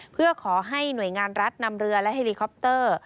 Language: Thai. เพื่อขอให้หน่วยงานรัฐนำเรือและเฮลีคอปเตอร์